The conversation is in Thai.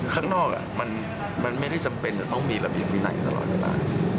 ข้างนอกมันไม่ได้จำเป็นจะต้องมีระเบียบวินัยตลอดเวลา